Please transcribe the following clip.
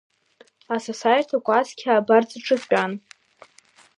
Асасааирҭа кәаскьа абарҵаҿы дтәан.